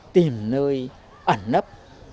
tìm nơi ẩn nấp